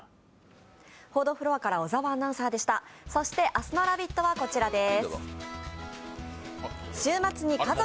そして明日の「ラヴィット！」はこちらです。